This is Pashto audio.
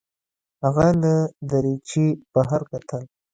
هغه له دریچې بهر کتل.